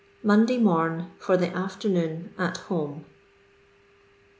'* Monday Mom. for the aftn., at home.